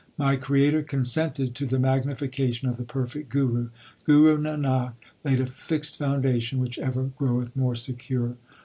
LIFE OF GURU ARJAN 45 My Creator consented to the magnification of the perfect Guru. Guru Nanak laid a fixed foundation which ever groweth more secure.